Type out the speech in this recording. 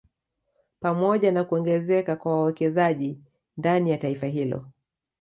Pamoja na kuongezeka kwa wawekezaji ndani ya taifa hilo